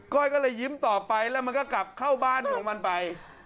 ้อยก็เลยยิ้มต่อไปแล้วมันก็กลับเข้าบ้านของมันไป